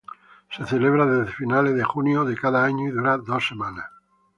Se celebra desde finales de junio de cada año y dura dos semanas.